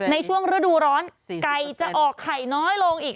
ในช่วงฤดูร้อนไก่จะออกไข่น้อยลงอีก